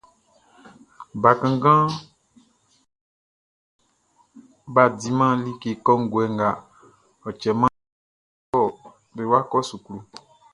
Bakannganʼm bʼa diman like kɔnguɛ nga, ɔ cɛman be wa kɔ suklu.